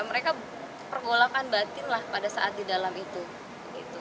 mereka pergolakan batin lah pada saat di dalam itu